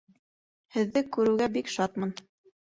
Һеҙҙе күреүгә бик шатмын.